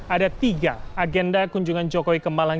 ada tiga agenda kunjungan jokowi ke malang